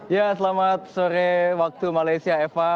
ya selamat sore waktu malaysia eva